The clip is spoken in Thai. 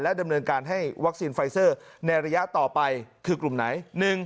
ดำเนินการให้วัคซีนไฟเซอร์ในระยะต่อไปคือกลุ่มไหน